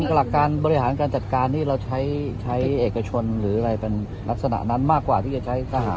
หลักการบริหารการจัดการนี่เราใช้เอกชนหรืออะไรเป็นลักษณะนั้นมากกว่าที่จะใช้ทหาร